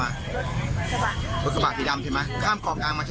กระแทกขันแดงก่อนเขากระแทกขันแดงเสร็จก็มากระแทกซี่